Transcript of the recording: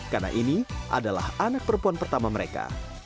karena ini adalah anak perempuan pertama mereka